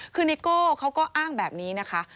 คือไนโก้เขาก็อ้างแบบนี้นะคะ